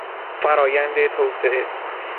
فرآیند توسعه